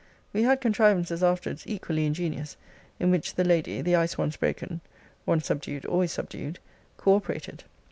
'We had contrivances afterwards equally ingenious, in which the lady, the ice once broken [once subdued, always subdued] co operated.